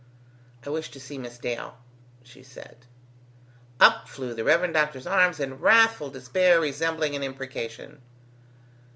"I wish to see Miss Dale," she said. Up flew the Rev. Doctor's arms in wrathful despair resembling an imprecation.